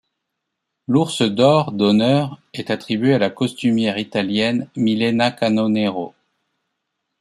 L'Ours d'or d'honneur est attribué à la costumière italienne Milena Canonero.